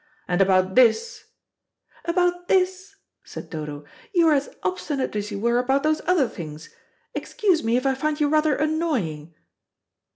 And about this " "About this," said Dodo, "you are as obstinate as you were about those other things. Excuse me if I find you rather annoying."